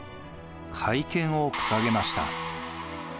改憲を掲げました。